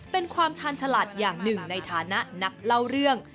เป็นความชาญฉลาดอย่างหนึ่งในฐานะนักเล่าเรื่อง